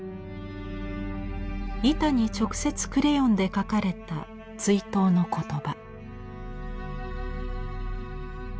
板に直接クレヨンで書かれた追悼の言葉。